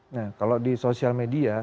nah kalau di sosial media